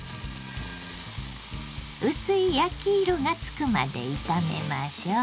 薄い焼き色がつくまで炒めましょう。